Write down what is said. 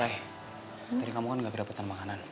rai tadi kamu kan nggak kira pesan makanan